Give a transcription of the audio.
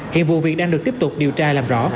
hiện vụ việc đang được tiếp tục điều tra làm rõ